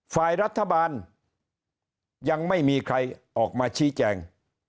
ฝ่ายรัฐบาลยังไม่มีใครออกมาชี้แจง